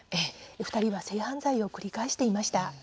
２人は性犯罪を繰り返していました。